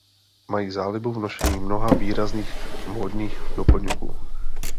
Mají zálibu v nošení mnoha výrazných módních doplňků.